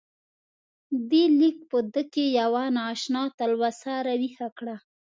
دې لیک په ده کې یوه نا اشنا تلوسه راویښه کړه.